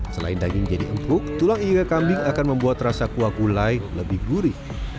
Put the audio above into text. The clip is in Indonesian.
selain daging jadi empuk tulang iga kambing akan membuat rasa kuah gulai lebih gurih